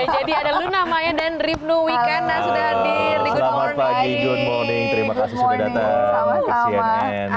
jadi ada luna maya dan rifnu weekend sudah hadir di good morning terima kasih sudah datang